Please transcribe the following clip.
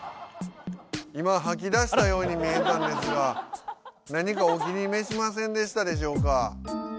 今はき出したように見えたんですが何かお気にめしませんでしたでしょうか？